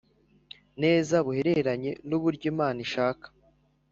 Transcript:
neza buhereranye n uburyo Imana ishaka